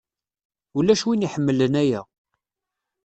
Ulac win iḥemmlen aya.